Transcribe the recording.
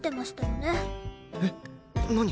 えっ何？